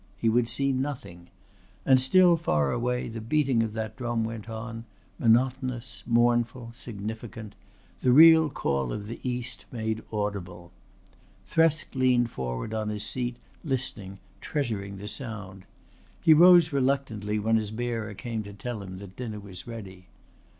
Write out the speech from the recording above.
He would see nothing. And still far away the beating of that drum went on monotonous, mournful, significant the real call of the East made audible. Thresk leaned forward on his seat, listening, treasuring the sound. He rose reluctantly when his bearer came to tell him that dinner was ready.